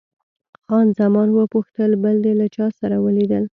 خان زمان وپوښتل، بل دې له چا سره ولیدل؟